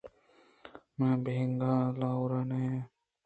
من بینگّاں لاھو نہ کن آں